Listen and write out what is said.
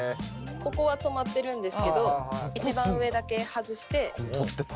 ここは留まってるんですけど一番上だけ外してやってます。